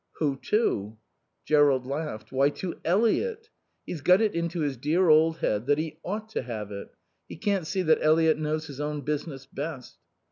"Who to?" Jerrold laughed. "Why, to Eliot. He's got it into his dear old head that he ought to have it. He can't see that Eliot knows his own business best.